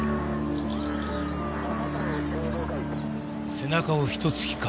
背中をひと突きか。